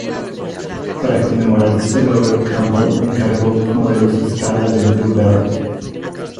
Para conmemorar este logro, Campbell encargó unos modelos a escala del "Blue Bird".